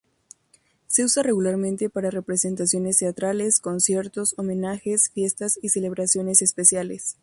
Se usa regularmente para representaciones teatrales, conciertos, homenajes, fiestas y celebraciones especiales.